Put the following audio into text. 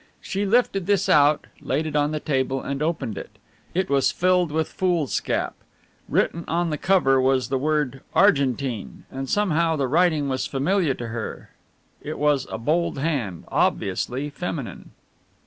She lifted this out, laid it on the table and opened it. It was filled with foolscap. Written on the cover was the word "Argentine" and somehow the writing was familiar to her. It was a bold hand, obviously feminine.